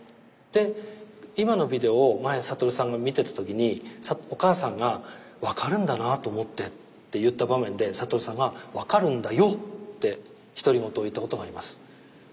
で今のビデオを前に覚さんが見てた時にお母さんが分かるんだなと思ってって言った場面で覚さんが「分かるんだよ！」って独り言を言ったことがあります。